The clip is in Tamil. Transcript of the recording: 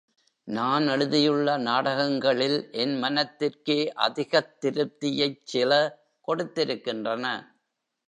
நான் எழுதியுள்ள நாடகங்களில் என் மனத்திற்கே அதிகத் திருப்தியைச் சில கொடுத்திருக்கின்றன.